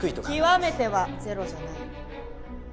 極めてはゼロじゃない。